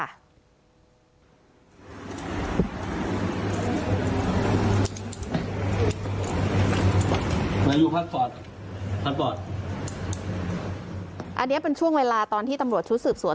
นายุพัดปอดพัดปอดอันนี้เป็นช่วงเวลาตอนที่ตำรวจชุดสืบสวน